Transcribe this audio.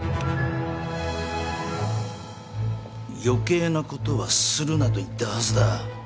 余計なことはするなと言ったはずだ。